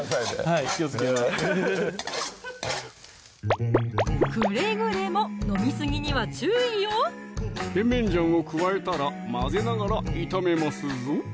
はい気をつけますくれぐれも飲みすぎには注意よ甜麺醤を加えたら混ぜながら炒めますぞ